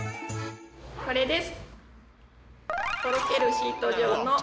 これです。